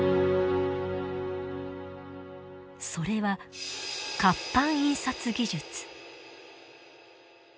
それは活版印刷技術。